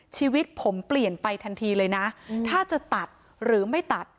ชีวิตผมเปลี่ยนไปทันทีเลยนะถ้าจะตัดหรือไม่ตัด